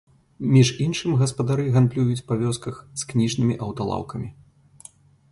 Між іншым, гаспадары гандлююць па вёсках з кніжнымі аўталаўкамі.